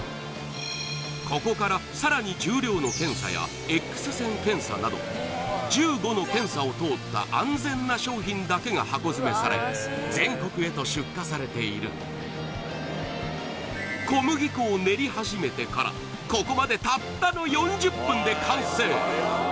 ここからさらに１５の検査を通った安全な商品だけが箱詰めされ全国へと出荷されている小麦粉を練り始めてからここまでたったの４０分で完成！